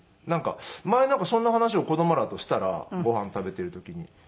前なんかそんな話を子供らとしたらご飯食べてる時に。